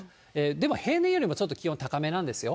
でも平年よりも、ちょっと気温高めなんですよ。